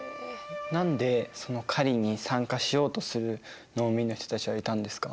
何でその狩りに参加しようとする農民の人たちがいたんですか？